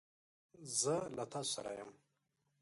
زه له تاسو سره یم.